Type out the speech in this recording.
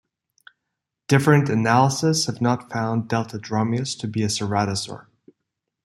Different analyses have not found "Deltadromeus" to be a ceratosaur.